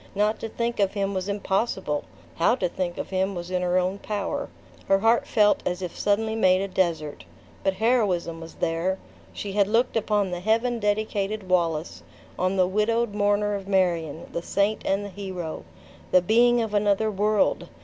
Not to think of him was impossible; how to think of him was in her own power. Her heart felt as if suddenly made a desert. But heroism was there. She had looked upon the Heaven dedicated Wallace; on the widowed mourner of Marion; the saint and the hero; the being of another world!